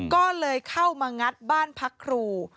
ก็เลยเข้ามางัดบ้านพักครู